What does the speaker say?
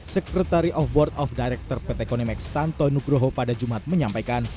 sekretari of board of director pt konimax tanto nugroho pada jumat menyampaikan